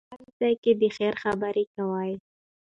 په هر ځای کې د خیر خبره کوئ.